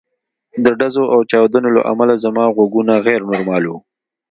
د ډزو او چاودنو له امله زما غوږونه غیر نورمال وو